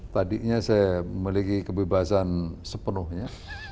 tadinya saya memiliki kebebasan sepenuhnya